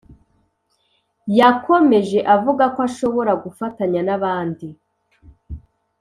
Yakomeje avuga ko ashobora gufatanya n’abandi